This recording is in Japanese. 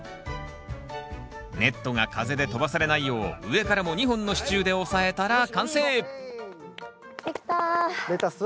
ネットが風で飛ばされないよう上からも２本の支柱で押さえたら完成出来た。